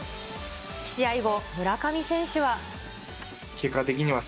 試合後、村上選手は。